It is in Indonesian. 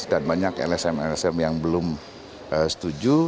dan banyak lsm lsm yang belum setuju